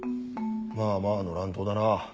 まあまあの乱闘だな。